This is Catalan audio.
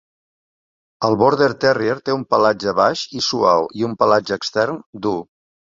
El Border terrier té un pelatge baix i suau i un pelatge extern dur.